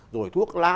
rồi thuốc la